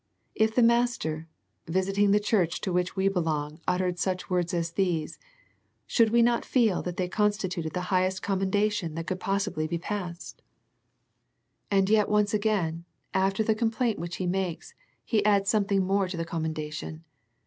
If the Master, visit ing the church to which we belong uttered such words as these, should we not feel that they constituted the highest commendation that could possibly be passed? The Ephcsus Letter 39 And yet once again, after the complaint which He makes, He adds something more to the commendation.